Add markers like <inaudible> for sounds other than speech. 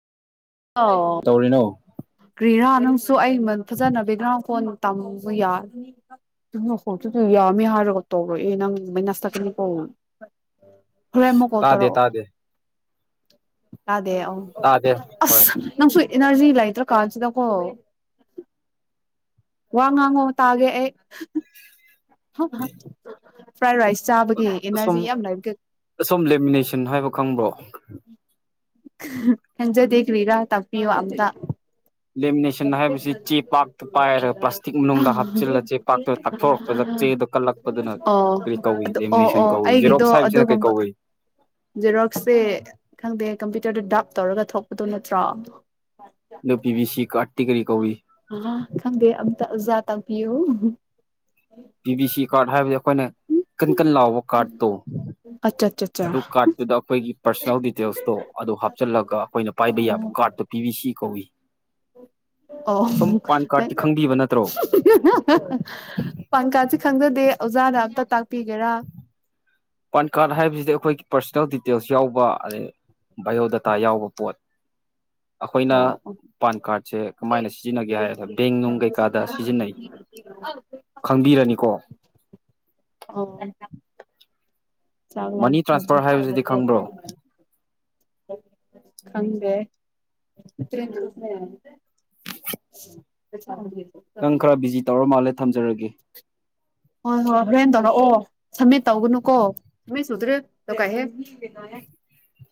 ꯑꯣ ꯇꯧꯔꯤꯅꯣ ꯀ꯭ꯔꯤꯔꯥ ꯅꯪꯁꯨ ꯑꯩ <unintelligible> ꯐꯖꯅ ꯕꯦꯛꯒ꯭ꯔꯥꯎꯟ ꯐꯣꯟ ꯇꯝꯕ ꯌꯥꯔꯅꯤ <unintelligible> ꯌꯥꯃꯦ ꯍꯥꯏꯔꯒ ꯇꯧꯔꯛꯑꯦ ꯅꯪ ꯃꯥꯢꯅꯁ ꯆꯠꯀꯅꯤꯀꯣ ꯍꯣꯔꯦꯟꯃꯨꯛ ꯀꯣꯜ ꯇꯥꯗꯦ ꯇꯧꯔꯛꯑꯣ ꯇꯥꯗꯦ ꯇꯥꯗꯦ ꯑꯎ ꯇꯥꯗꯦ ꯍꯣꯏ ꯑꯁ ꯅꯪꯁꯨ ꯏꯅꯔꯖꯤ ꯂꯩꯇ꯭ꯔꯥ ꯀꯥꯟꯁꯤꯗꯀꯣ ꯋꯥ ꯉꯥꯡꯉꯣ ꯇꯥꯒꯦ ꯑꯩ ꯍ ꯍ ꯐ꯭ꯔꯥꯏ ꯔꯥꯏꯁ ꯆꯥꯕꯒꯤ ꯑꯁꯨꯝ ꯑꯦꯅꯔꯖꯤ ꯌꯥꯝ ꯂꯕ ꯈꯍ ꯑꯁꯣꯝ ꯂꯦꯃꯤꯅꯦꯁꯟ ꯍꯥꯏꯕ ꯈꯪꯕ꯭ꯔꯣ ꯀꯪꯖꯗꯦ ꯀꯔꯤꯔꯥ ꯇꯄꯤꯌꯣ ꯑꯝꯇ <unintelligible> ꯂꯦꯃꯤꯅꯦꯁꯟ ꯍꯥꯏꯕꯁꯤ ꯆꯦ ꯄꯥꯛꯇ ꯄꯥꯏꯔꯒ ꯄ꯭ꯂꯥꯁꯇꯤꯛ ꯍꯥ ꯍꯥ ꯃꯅꯨꯡꯗ ꯍꯥꯞꯆꯤꯜꯂ ꯆꯦ ꯄꯥꯛꯇ ꯇꯥꯛꯊꯣꯔꯛꯄꯗ ꯆꯦꯗꯣ ꯀꯜꯂꯛꯄꯗꯨꯅ ꯑꯣ ꯀꯔꯤ ꯀꯧꯏ ꯑꯗꯨ ꯑꯣ ꯂꯦꯃꯤꯅꯦꯁꯟ ꯑꯣ ꯀꯧꯏ ꯑꯩꯒꯤꯗꯣ ꯖꯦꯔꯣꯛꯁ ꯍꯥꯏꯕꯁꯤꯅ ꯀꯩ ꯑꯗꯨꯒꯨꯝꯕ ꯀꯧꯏ ꯖꯦꯔꯣꯛꯁꯦ ꯈꯪꯗꯦ ꯀꯝꯄ꯭ꯌꯨꯇꯔꯗꯣ ꯗꯥꯛ ꯇꯧꯔꯒ ꯊꯣꯛꯄꯗꯣ ꯅꯠꯇ꯭ꯔꯣ ꯑꯗꯨ ꯄꯤ ꯕꯤ ꯁꯤ ꯀꯥꯔꯠꯇꯤ ꯀꯔꯤ ꯀꯧꯏ ꯑ ꯈꯪꯗꯦ ꯑꯝꯇ ꯖꯥꯠ ꯇꯥꯛꯄꯤꯌꯨ ꯄꯤ ꯕꯤ ꯁꯤ ꯀꯥꯔꯠ ꯍꯥꯏꯕꯗꯤ ꯑꯩꯈꯣꯏꯅ ꯀꯟ ꯀꯟ ꯂꯥꯎꯕ ꯀꯥꯔꯠꯇꯣ ꯑꯠꯆꯥ ꯑꯠꯆꯥ ꯑꯠꯆꯥ ꯑꯗꯨ ꯀꯥꯔꯠꯇꯨꯗ ꯑꯩꯈꯣꯏꯒꯤ ꯄꯥꯔꯁꯣꯅꯦꯜ ꯗꯤꯇꯦꯜꯁꯇꯣ ꯑꯗꯨ ꯍꯥꯞꯆꯤꯜꯂꯒ ꯑꯩꯈꯣꯏꯅ ꯄꯥꯏꯕ ꯌꯥꯕ ꯀꯥꯔꯠꯇꯣ ꯄꯤꯕꯤꯁꯤ ꯀꯧꯋꯤ ꯑꯣ ꯍ ꯍꯍ ꯄꯥꯟ ꯀꯥꯔꯠꯁꯦ ꯈꯪꯖꯗꯦ ꯑꯣꯖꯥꯅ ꯑꯝꯇ ꯇꯥꯛꯄꯤꯒꯦꯔꯥ ꯄꯥꯟ ꯀꯥꯔꯠ ꯍꯥꯏꯕꯁꯤꯗꯤ ꯑꯩꯈꯣꯏꯒꯤ ꯄꯔꯁꯣꯅꯦꯜ ꯗꯤꯇꯦꯜꯁ ꯌꯥꯎꯕ ꯑꯗꯩ ꯕꯥꯏꯑꯣꯗꯥꯇꯥ ꯌꯥꯎꯕ ꯄꯣꯠ ꯑꯩꯈꯣꯏꯅ ꯑꯣ ꯄꯥꯟ ꯀꯥꯔꯠꯁꯦ ꯀꯃꯥꯏꯅ ꯁꯤꯖꯤꯟꯅꯒꯦ ꯍꯥꯏꯕꯗ ꯕꯦꯡ ꯅꯨꯡ ꯀꯩꯀꯥꯗ ꯁꯤꯖꯤꯟꯅꯩ ꯈꯪꯕꯤꯔꯅꯤꯀꯣ ꯑꯣ ꯃꯅꯤ ꯇ꯭ꯔꯥꯟꯁꯐꯔ ꯍꯥꯏꯕꯁꯤꯗꯤ ꯈꯪꯕ꯭ꯔꯣ <unintelligible> ꯈꯪꯗꯦ <inaudible> ꯅꯪ ꯈꯔ ꯕꯤꯖꯤ ꯇꯧꯔ ꯃꯥꯜꯂꯦ ꯊꯝꯖꯔꯒꯦ ꯍꯣꯏ ꯍꯣꯏ ꯍꯦꯟ ꯇꯧꯔꯛꯑꯣ ꯁꯝꯃꯤꯠ ꯇꯧꯒꯅꯨ ꯀꯣꯃꯤꯠ ꯁꯨꯗ꯭ꯔꯦ ꯀꯥꯏ